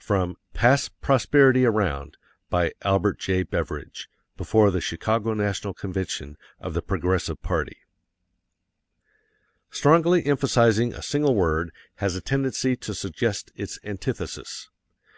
_ From "Pass Prosperity Around," by ALBERT J. BEVERIDGE, before the Chicago National Convention of the Progressive Party. Strongly emphasizing a single word has a tendency to suggest its antithesis.